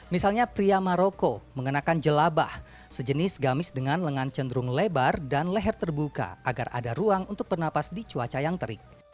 misalnya pria maroko mengenakan jelabah sejenis gamis dengan lengan cenderung lebar dan leher terbuka agar ada ruang untuk bernapas di cuaca yang terik